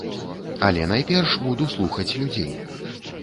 Але найперш буду слухаць людзей.